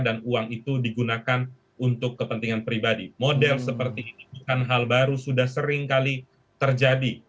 dan uang itu digunakan untuk kepentingan pribadi model seperti ini bukan hal baru sudah sering kali terjadi